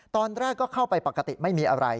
ตอนแรกก็เข้าไปปกติไม่มีอะไร